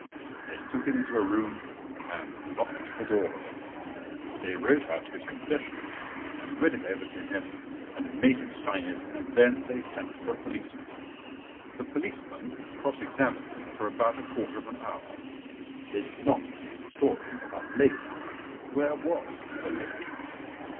They took him into a room and locked the door. They wrote out his confession and read it over to him, and made him sign it, and then they sent for a policeman. The policeman cross examined him for about a quarter of an hour. They did not believe the story about the lady. Where was the lady?